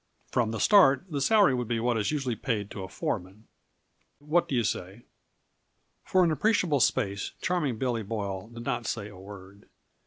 From the start the salary would be what is usually paid to a foreman. What do you say?" For an appreciable space Charming Billy Boyle did not say a word.